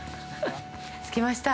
着きました。